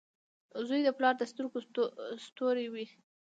• زوی د پلار د سترګو ستوری وي.